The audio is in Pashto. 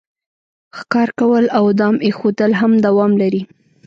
ښکار کول او دام ایښودل هم دوام لري